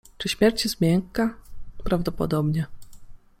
Czy śmierć jest miękka? Prawdopodobnie.